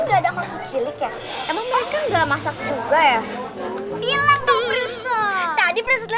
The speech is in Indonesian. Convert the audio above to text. enggak ada khaki cilik ya emang mereka enggak masak juga ya bilang tuh prinses tadi prinsesnya